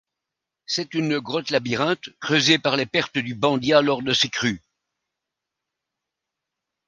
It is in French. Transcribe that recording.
C'est une grotte labyrinthe creusée par les pertes du Bandiat lors de ses crues.